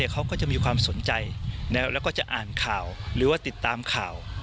เขาก็จะมีความสนใจแล้วก็จะอ่านข่าวหรือว่าติดตามข่าว